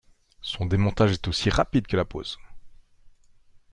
Son démontage est aussi rapide que la pose.